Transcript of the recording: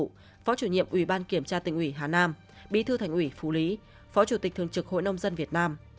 phó chủ nhiệm ủy ban kiểm tra tỉnh ủy hà nam bí thư thành ủy phú lý phó chủ tịch thường trực hội nông dân việt nam